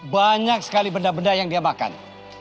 banyak sekali benda benda yang dia makan